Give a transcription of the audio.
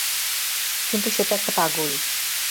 কিন্তু সে তো একটা পাগল।